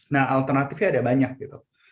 nah alternatifnya ada banyak gitu